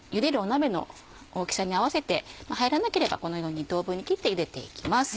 鍋の大きさに合わせて入らなければこのように２等分に切ってゆでていきます。